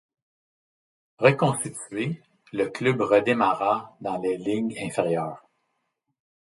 Reconstitué, le club redémarra dans les ligues inférieures.